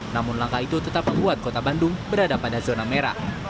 namun langkah itu tetap membuat kota bandung berada pada zona merah